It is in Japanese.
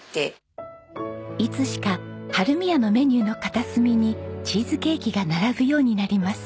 いつしか春見屋のメニューの片隅にチーズケーキが並ぶようになります。